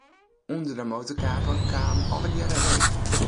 Under de motorkape kaam allegearre reek.